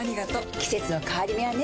季節の変わり目はねうん。